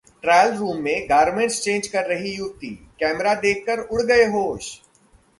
trial room में garments change कर रही थी युवती, कैमरा देखकर उड़ गए होश